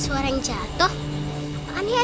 suaranya kok dari sugar